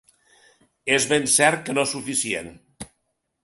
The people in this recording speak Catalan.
És ben cert que no suficient.